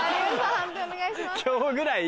判定お願いします。